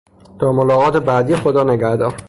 تا ملاقات بعدی خدانگهدار.